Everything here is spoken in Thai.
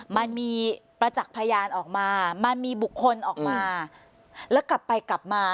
มันมีประจักษ์พยานออกมามันมีบุคคลออกมาแล้วกลับไปกลับมา